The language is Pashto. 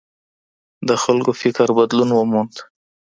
د خلګو فکر بدلون وموند.